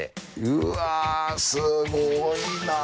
うわー、すごいな。